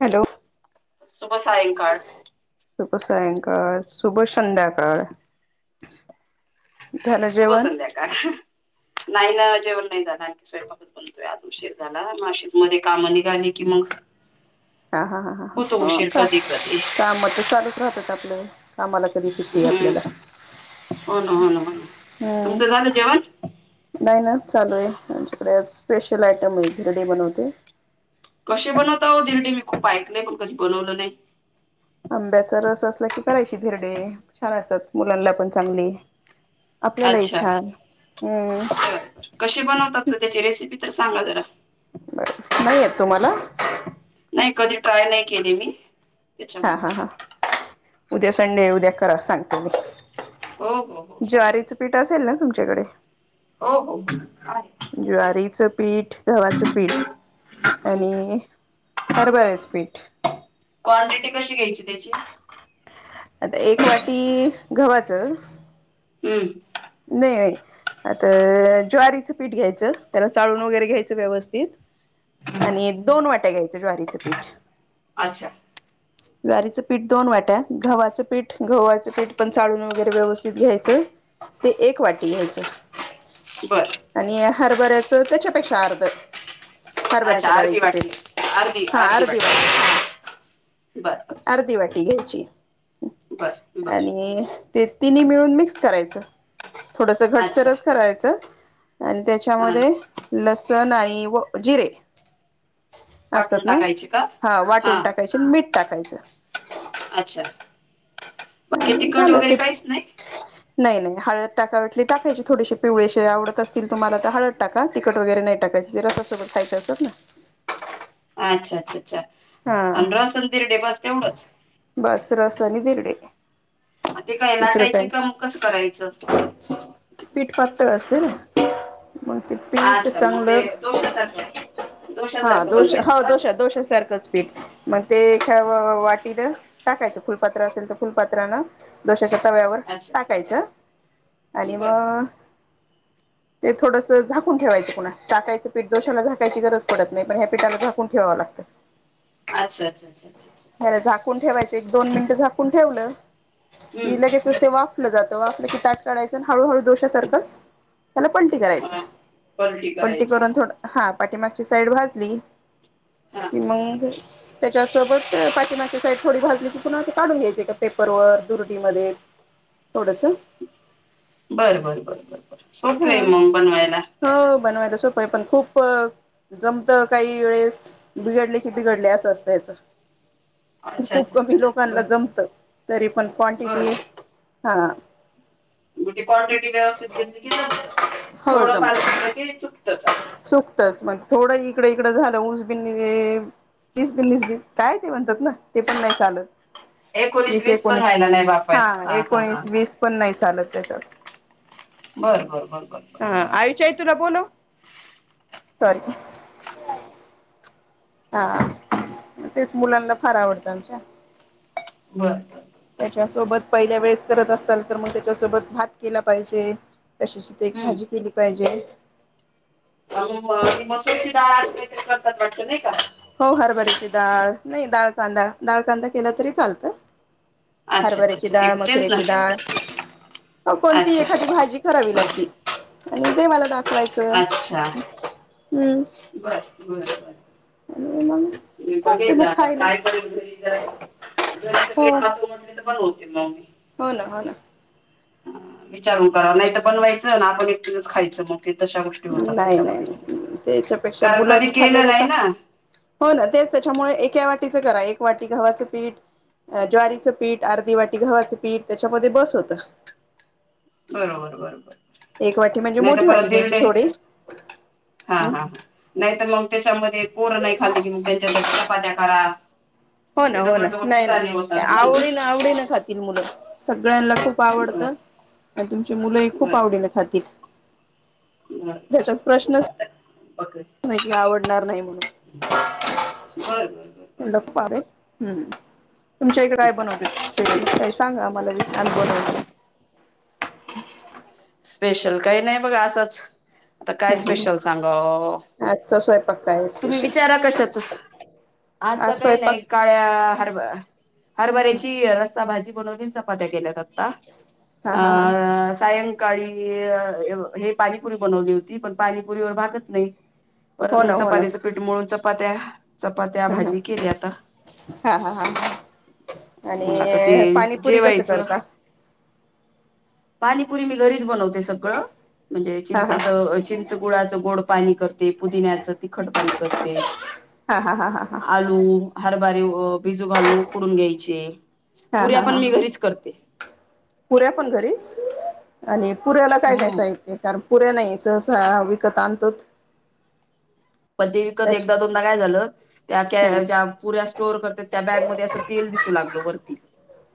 Hello शुभ सायंकाळ सुुभ सायंकळ सुभा शंदकर शुभ संध्याकाळ नाही ना जेवण नाही झालं आणखी स्वयंपाकच बनतोय आज उशीर झाला मशी मध्ये कामं निघाली की मग हा हा ह ह ह होतो हो उशीर का कधी कधी काम तर चालूच राहतात आपल्या का मला हम् हो ना हो ना हो ना हम्म तुमचं झालं जेवण नाही ना चालू आहे आमच्याकडे स्पेशल आयटम आहे रेडी बनवते कसे बनवता हो बिल्डिंग मी खूप ऐकल पण कधी बनवलं नाही. आंब्याचा रस असला की करायची धिरडे छान असतात मुलांना पण चांगली. आपल्यालाही अच्छा छान हम्म बर बर कशी बनवतात त्याची रेसिपी तर सांगा जरा. बर नाही येत तुम्हाला. नाही कधी ट्राय नाही केली मी हा हा हा त्याच्यामुळे उद्या संडे हाय उद्या करा सांगतेो मी हो हो हो सांगा ना. ज्वारीचं पीठ असेल ना तुम तुमच्याकडे हो हो आहे ज्वारीचं पीठ गव्हाचं पीठ आणि हरभऱ्याचं पीठ क्वांटिटी कशी घ्यायची त्याची आता एक वाटी गव्हाच हम्म नाही आता ज्वारीचं पीठ घ्यायच त्याला चाळून वगैरे घ्यायचं व्यवस्थित आणि दोन वाट्या घ्यायचं ज्वारीचं पीठ अच्छा ज्वारीचं पीठ दोन वाट्या गव्हाचं पीठ गव्हाचं पीठ पण चाळून वगैरे व्यवस्थित घ्यायचं ते एक वाटी घ्यायचं बर आणि हरभऱ्याचं त्याच्यापेक्षा अर्ध अच्छा हरभऱ्याच्या अर्धी डाळीचं पीठ वाटी अर्धी हा अर्धी वाटी बर वाटी बर अर्धी वाटी घ्याय ची बर बर आणि ते तिन्ही मिळून मिक्स करायचं थोडस घट अच्छा सरच करायचं आणि हा त्याच्यामध्ये लस तनई व जिरे असतात वाटून ना टाकायची का हा वाटून टाकायचे मीठ टाकायचं अच्छा बाकी आणि तिकट झालं वगैरे ते काहीच नाही नाही नाही हळद टाकावी वाटली तर टाकायची थोडीशी पिवळेसे आवडत असतील तुम्हाला तर हळद टाका तिखट वगैरे नाही टाकायच ते रसासोबत खायचे असतात ना अच्छा अच्छा अच्छा हा आणि रसन दिरडे बस तेवढंच बस रसानी धिर ते ते काय लाटायचे का मग कसं करायचं पीठ पातळ असते ना मग ते पीठ अच्छा मग ते चांगलं दोषण्यासारखं हा दोश हो दोश दोशा सारखंच पीठ म ते एख वाटीन टाकायचं फुलपात्र असेल तर फुलपात्राान दोशाच्या तव्यावर अच्छा टाकायचं आणि बर मग ते थोडस झाकून ठेवायचं पुन टाकायचं पीठदोशाला झाकायची गरज पडत नाही पण ह्या पिठाला झाकून ठेवावं लागतं अच्छा अच्छा अच्छा अच्छा अच्छा र झाकून ठेवायच एक दोन मिनट झाकून ठेवलं ति हम्म लगेचच ते वापलं जात त आपलं क तट टायचं हळूहळू दोशासारखंच त्याला पलटी करायचं हा, पलटी करून थोडं हा पाटिमा साईड भाजली हा इ मंगंग त्याच्यासोबत पाकमाची साईड थोडी भाजली तर पुन्हा ते काढून घ्यायचे का पेपर वर दुरडीमध्ये थोडस बर बर बर बर सोपे हा मग बनवायला हो बनवायला सोपं पण खूप जमत काही वेळेस बिघडले की बिघडले असं असतं याच अच्छा खूप अच्छा अच्छा कमी लोकांना बर बर जमत तरी पण क्वांटिटी हा गे क्वाांटट वस्थित घ ज ह [inaudible] हो थोड जमत फार चक ला के च सुकतच मग थोडं इकडे इड झालं ऊस बििसबिनस काय ते म्हणतात ना ते पण नाही चालत एकोणीस वीस पण व्हायला नाही बापर हा हा हा एकोणीस वीस पण नाही चालत त्याच्यात बर बर बर बर बर तूो नव ना सॉरी हा तेच मुलांना फार आवडतं आमच्या बर त्याच्यासोबत पहिल्या वेळेस करत असाल तर मग त्याच्यासोबत भात केला पाहिजे तशीच ते एक भाजी केली पाहिजे अ ती मसूरचीडाळ असं काहीतरी करतात वाटत नाही का हो हरभरीची डाळ नाही डाळ कांदा डाळ कांदा केला तरी चालतंय अच्छा अच्छा हरभऱ्याची अच्छा ते डाळ तेच ना मसुऱ्याची डाळ कोणती अच्छा एखादी भाजी करावी बर लागते आणि ते मला दाखव व्हायचं अच्छा बर बर बर ह त बघे आता काय करल सग हो खातट तर पणत [inaudible] हो ना हो ना विचारून करा नाहीत बनवायचं ना आपण एकटूनच खायचं मग ते तशा गोष्टी होतात नाही नाही त्याच्यामध्ये नाही त्याच्यापेक्षा कारण कधी मुलांनी केलं खाल्लेलं नाही ना हो ना तेच त्याच्यामुळे एका वाटीच करा एक वाटी गव्हाचं पीठ ज्वारीच पीठ अर्धी वाटी गव्हाचं पीठ त्याच्यामध्ये बस होत बरोबर बरोबर म्हणजे नाही तर मोठी परत वाटी घ्यायची दर्डे थोडी हा हा हो नाहीत मग त्याच्यामध्ये पोर नाही खाल्ली की मग त्यांच्यासाठी चपात्या करा हो ते ना हो डबल ना डबल नाही कुटाने नाही होतात आवडी ना आवडी ना खातील मुलं सांग सगळ्यांना खूप बर आवडतं आणि तुमची मुलंही खूप आवडीने खातील ब बर खू त आवड णार नाही बर बर बर बर त्यांना बर खूप आवडेल हम्म तुमच्या इकडे काय बनवते काही सांगा आम्हाला बनवू मग स्पेशल काही नाही बघ असंच आता काय हं हं. स्पेशल सांग आजचा स्वयंपाक काय आहे तुम्ही स्पेशल विचारा कशाच आज काही नाही काळ्या हर ह हरभऱ्याची रस्साभजी ब च्या गेल्या [unintelligible] हा हा हा अ सायं सकाळी हे पाणीपुरी बनवली होती पण पाणीपुरी व भागत नाही परत हो मगं पाधचं पीठ मिळून पात हम् ह हा ह ह आणि मग आता ते पाणीपुरी कसं करता पानीपुरी म घरीच बनवते सगळं म्हणजे हा हा चिंचच चिंच गुळाचं गोड पाणी करते पुदिन्याचं तिखट पाणी करते हा हा हा हा हा आलू बारी बिजू घालून उकडून घ्यायचे हा हा पुऱ्या हा पण मी हा घरीच करते पुऱ्या पण घरीच आणि पुऱ्याला काय कायकाय हम्म साहिते कारण पुरे नाही सहसाहा वििकत अनंतात पण ते विकत एकदा दोनदा काय झालं हं त्या ज्या पुऱ्या स्टोर करत त्या बॅग म अस तेल दिसू लागलो वरती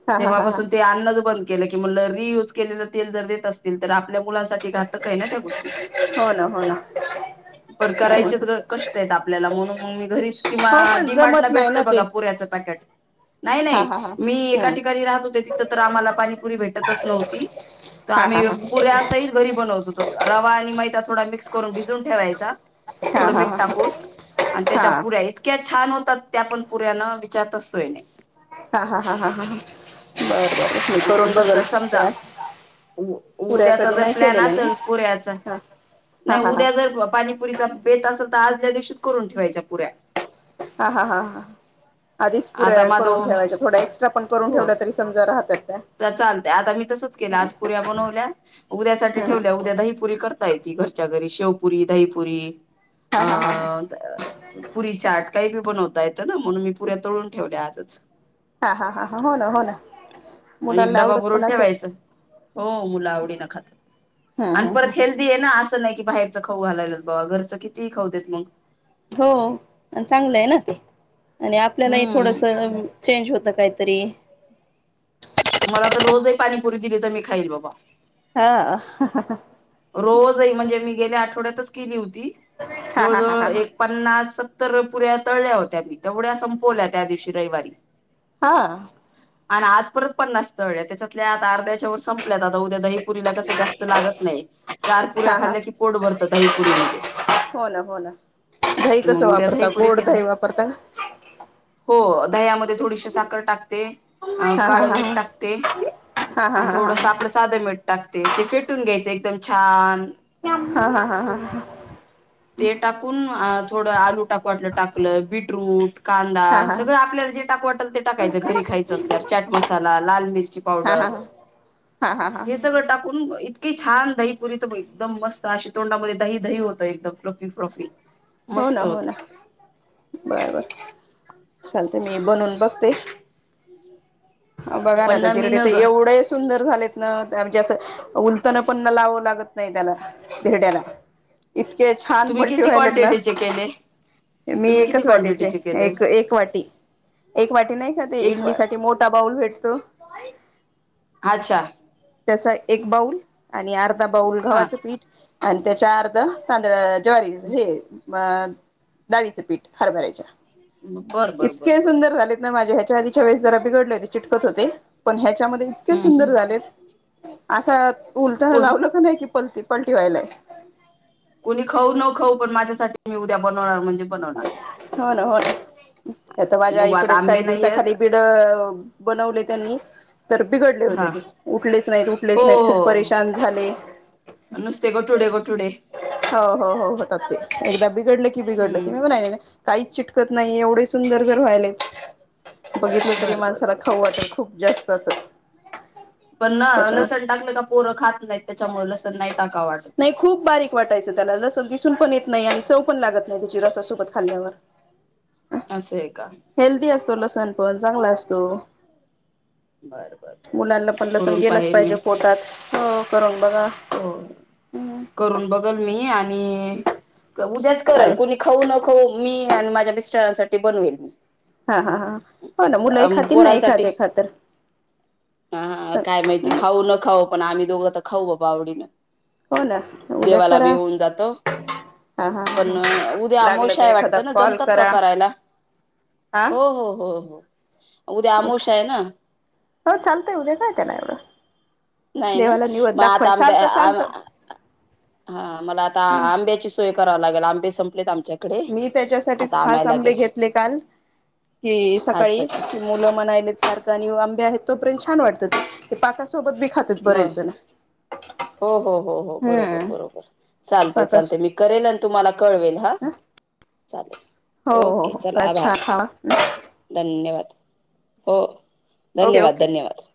हा हा हा हा तेव्हापासून ते अन्नच बंद केलं कि म्ह रियूज केलेलं तेल जर देत असतील तर आपल्या मुलासाठी घातकही ना त्या गोष्टी हो ना हो ना क आपल्याला म्हणून म मी घरीच हो पण किंवाडीमार्टला जमत नाही भेटत ना ते बघा पुच कट नाही हा नाही हा हा मी एका हं ठिकाणी राहत होते तिथं तर आम्हाला पाणीपुरी भेटतच नव्हती तर हा हा आम्ही हा पुऱ्यासहित घरी बनवत होतो रवा आणि माहत थोडा मिक्स करून भिजून ठेवायचा हा थोडं हा हा मीठ हा टाकून आणि हा त्याच्या पुड्या इतक्या छान होत ते आपण पुर्यानं विचारत असतोय नाही हा हा ह ह बर बर मी करून नाही बघल समजा त्या उऱ्या उद्याचा कधी जर नाही प्लॅन केलेल्या मी असेल पुऱ्याचा ह हा ह ह ल तर आजल्या दिवशी करून ठेवायच्या पुऱ्या हा हा हा ह आधीच पुरे आता माझा करून ठेवायच्या थोड्या एक्स्ट्रा पण करून ठेव तरी समजा राहतात त्या तर चालते आता मी तसच केलं आज पुऱ्या बनवल्या उद्यासाठी हम्म हम्म ठेवल्या उद्या दही पुरी करत य त घरच्या घरी शेवपुरी दहीपुरी हा हा हा हा अं पुरी चाट काही बी बनवता येतं ना म्हणून मी पुऱ्या तोळून ठेवल्या आजच हा हा हा हा हो ना हो ना एक मुलांना डबा आवडत भरून पण असेल ठेवायचं हो मुलं आवडी न खातात हम्म आणि हम्म परत हेल्दी आहे ना असं नाही की बाहेर खाऊ घालायला बा घरचं किती खऊ देत मग हो चांगलं आहे ना ते आणि आपल्यालाही हम्म थोडसं चेंज होतं काहीतरी मला तर रोजही पाणीपुरी दिली तर मी खाईल बाबा हा रोजही म्हणजे मी गेले आठ ोडचली हो हा जवळ हा हा जवळ हा एक पन्नास तर पुऱ्या तळल्या होत्या मी तेवढ्या संपवल्या त्या दिवशी रविवारी हा आणि आज परत पन्नास तळल्या त्याच्यातल्या आता अर्ध्याच्या वर संपल्यात आता उद्या दहीपुरीला कसं जास्त लागत नाही चार पुऱ्या हा हा खाल्ल्या की पोट भरतं दहीपुरीमध्ये हो ना हो ना दही मग कसं उद्या वापरता दहीपुरी गोड केलं दही वापरता ना हो दह्यामध्ये थोडीशी साखर टाकते. अ हा हा काळं हा मीठ टाकते हा हा हा आणि हा हा थोडंस आपलं साधं मीठ टाकते ते फेटून घ्यायचं एक एकदम छान हा हा हा हा ह ते टाकून अं थोडं [unintelligible] टाकू वाटलं टाकलं बीटरूट कांदा हा हा हा सगळं आपल्याला जे टाकू वाटेल ते टाकायचं घरी खायचं असल्यावर चाट मसाला, लाल मिरची पावडर, हा हा हा हा हे सगळं टाकून इतका की छान दहीपुरी तर म एकदम मस्त अशी तोंडामध्ये दही दही होतं एकदम प्लफी प्लफी. हो ना, हो ना, बरबर. चालतंय मी बनवून बघते. बघा ना पण आ न मी धिरडे न तर ग एवढे सुंदर झालेत ना. म्हणजे असं उलतन पण ना लावावं लागत नाही त्याला धिरड्याला इतके छान तुम्ही पलटी किती व्हायलेत ना. क्वांटिटीचे केले मी तुम्ही किती एकच वाटीचे क्वांटिटीचे केले एक एक वाटी, एक वाटी नाही का ते एक इडली वाट साठी मोठा बाऊल भेटतो. अच्छा त्याचा एक बाऊल आणि अर्ध बाउल हा गव्हाचं पीठ आणि त्याच्या अर्ध तांदळा ज्वारीचं हे म डाळीचं पीठ हरभऱ्याच्या. बर बर बर इतके बर सुंदर झालेत ना माझ्या ह आधीच्या वेळेस जरा बिघडले होते चिटकत होते पण ह्याच्या त्यामध्ये इतके हम्म सुंदर हम्म झालेत असं. उलताना को लावलं की नाही की पलती पलटी व्हायलंय. हो पण माझ्यासाठी मी उद्या बनवणार म्हणजे बनवणार हो ना हो ना आता माझ्या बघू आता आईकडेच आंबे काही नाहीयेत दिवसाखाली बिड बनवले त्यांनी तर बिघडले होते हा ते उठलेच नाहीत, हो उठलेच नाहीत हो खूप परेशान झाले. नुसते गठुडे गठुडे हो हो हो होतात ते एकदा बिघडलं की बिघडलं. हम्म [inaudible] काही च त नाही एवढे सुंदर घर व्हायले. बघितलं तरी बर बर माणसाला बर खाऊ वाटे खूप जास्त तसं. पण ना लसण टाकलं का पोरं खात नाहीत त्याच्यामुळे लसण नाही टाका वाटत. नाही खूप बारीक वाटायचं त्याला लसण दिसून पण येत नाही आणि चव पण लागत नाही. रसासोबत खाल्ल्यावर. असंय का? तो लसण पण चांगला असतो. बर बर बर मुलांना पण लसण करून गेलंच पाहिल मी पाहिजे पोटात. हो कररून हो करून बघल मी आणि आणि क उद्याच काय करल कुणी खाऊ न खाऊ मी आणि माझ्या मिस्टरांसाठी बनवेल मी हा हा ह हो ना मुलं एखातीर ना पोरासाठी एखाद्या खातर हा काय माहिती खाऊ न खाऊ पण आ्हीोघं खऊ वावडीने हो ना उद्या देवाला भी करा होऊन जात हा हा ह ह पण उद्या लागलं तर अमवशाय एखादा वाटतं ना कॉल जमतात का करा करायला हा हो हो हो हो [unintelligible] एक अमावश्या आहे ना हो चालतंय उद्या काय त्यांना एवढं नाही ना देवाला निवद मग आता दाखवाय चालतं आंब चालतं हा मला आता आंब्याची सोय कर लागल आंबे संपलेतम मी त्याच्यासाठीच खास आंबे घेतले काल की अच्छा सकाळी अच्छा अच्छा अच्छा मुलं म्हणाले सारख आणि आंब्या आहेत तोपर्यंत ान वाटतात ते पाका बर हो हो हो हो बरोबर हम्म बरोबर चालत पाकास चालते मी करेल तुम्हाला ळवेल हा हो चालेल हो ओके हो चला आभार छान खावा धन्यवाद हो ओके धन्यवाद ओके. धन्यवाद